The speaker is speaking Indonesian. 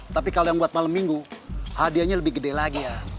tapi kalau yang buat malam minggu hadiahnya lebih gede lagi ya